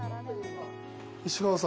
市川さん